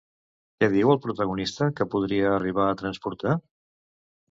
Què diu el protagonista que podria arribar a transportar?